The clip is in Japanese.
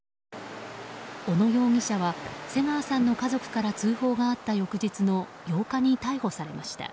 小野容疑者は瀬川さんの家族から通報があった翌日の８日に逮捕されました。